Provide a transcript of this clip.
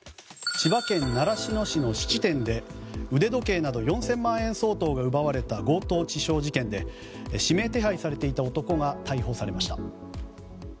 千葉県習志野市の質店で腕時計など４０００万円相当が奪われた強盗致傷事件で指名手配されていた男が逮捕されました。